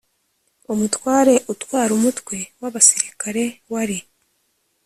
umutware utwara umutwe w abasirikare wari